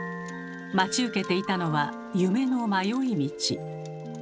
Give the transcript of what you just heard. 待ち受けていたのは夢の迷い道。